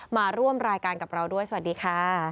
มาร่วมรายการกับเราด้วยสวัสดีค่ะ